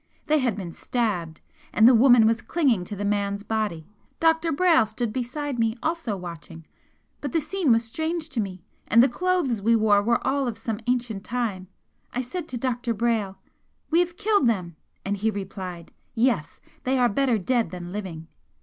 They had been stabbed, and the woman was clinging to the man's body. Dr. Brayle stood beside me also watching but the scene was strange to me, and the clothes we wore were all of some ancient time. I said to Dr. Brayle: 'We have killed them!' and he replied: 'Yes! They are better dead than living!'